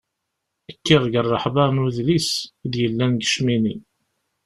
Kkiɣ deg rreḥba n udlis i d-yellan deg Cmini.